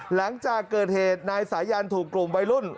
หลังจากเกิดเหตุนายสายันถูกกลุ่มวัยรุ่น